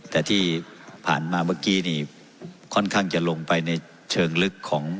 แต่ที่ผ่านมาเมื่อกี้นี่ค่อนข้างจะลงไปในเชิงลึกของ